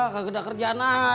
gageda kerjaan aja